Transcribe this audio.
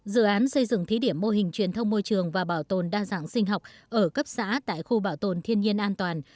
dự án xây dựng thí điểm mô hình truyền thông môi trường và bảo tồn đa dạng sinh học ở cấp xã tại khu bảo tồn thiên nhiên an toàn